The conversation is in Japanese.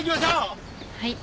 はい。